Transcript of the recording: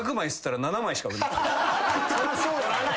そりゃそうやって。